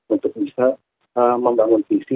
untuk bisa membangun visi